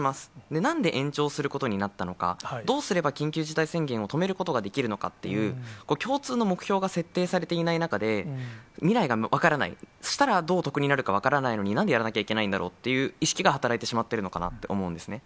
なんで延長することになったのか、どうすれば緊急事態宣言を止めることができるのかっていう、共通の目標が設定されていない中で、未来が分からない、したら、どう得になるか分からないのに、なんでやらなきゃいけないんだろうっていう意識が働いてしまってるのかなって思うんですね。